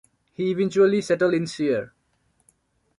He eventually settle in Sierre.